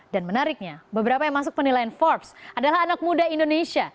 menariknya beberapa yang masuk penilaian forbes adalah anak muda indonesia